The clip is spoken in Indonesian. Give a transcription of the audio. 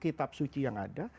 kitab suci yang ada